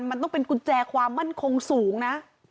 มันต้องเป็นกุญแจความมั่นคงสูงนะ